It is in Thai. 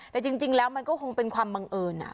แต่จริงแล้วมันก็คงเป็นความบังเอิญ